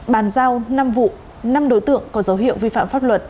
bàn giao năm vụ năm đối tượng có dấu hiệu vi phạm pháp luật